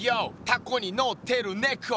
タコにのってるねこ」